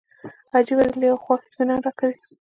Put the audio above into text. عجیبه ده له یوې خوا اطمینان راکوي.